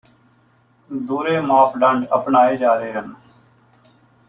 ਦੂਹਰੇ ਮਾਪਦੰਡ ਅਪਣਾਏ ਜਾ ਰਹੇ ਹਨ